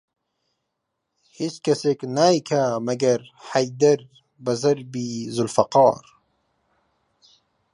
هیچ کەسێک نایکا مەگەر حەیدەر بە زەربی زولفەقار